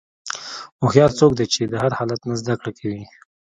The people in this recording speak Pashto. هوښیار څوک دی چې د هر حالت نه زدهکړه کوي.